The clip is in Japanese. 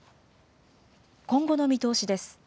今後の見通しです。